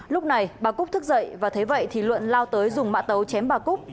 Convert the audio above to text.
lúc này bà cúc thức dậy và thấy vậy thì luận lao tới dùng mã tấu chém bà cúc